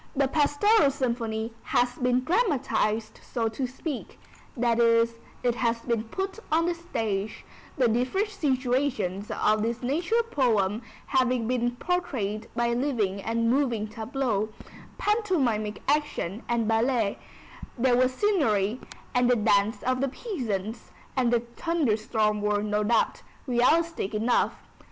The Pastoral Symphony has been dramatized so to speak, that is, it has been put on the stage, the different situations of this nature poem having been portrayed by living and moving tableaux, pantomimic action and ballet; there was scenery, and the dance of the peasants and the thunder storm were, no doubt, realistic enough.